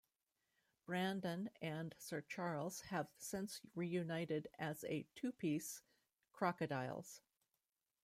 Brandon and Sir Charles have since reunited as a two-piece; Crocodiles.